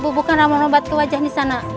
ayo buka ramon obat ke wajah nisana